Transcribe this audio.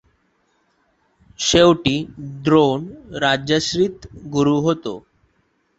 शेवटी द्रोण राजाश्रित गुरू होते.